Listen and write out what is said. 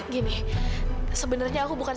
gini sebenarnya aku bukan